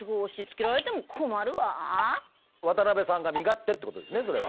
渡辺さんが身勝手ってことですねそれは。